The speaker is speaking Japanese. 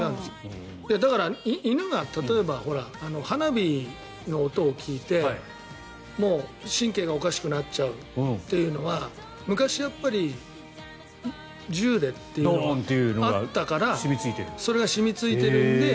だから犬は例えば花火の音を聞いて神経がおかしくなっちゃうというのは昔、銃でドーンというのがあったからそれが染みついているので。